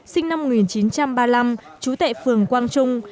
sinh năm một nghìn chín trăm ba mươi năm chú tệ phường quang trung